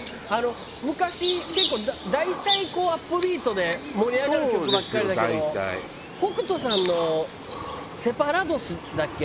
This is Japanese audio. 昔結構大体アップビートで盛り上がる曲ばっかりだけど北斗さんの「セパラドス」だっけ？